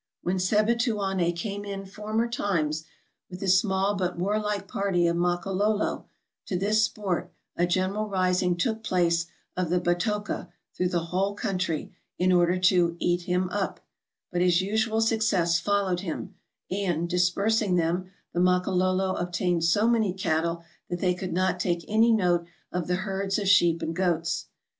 When Sebituane came in former times, with his small but warlike party of Makololo, to this sport, a general rising took place of the Batoka through the whole country, in order to '' eat him up ;" but his usual success followed him, and, dispersing them, the Makalolo obtained so many cattle that they could not take any note of the herds of sheep and goats.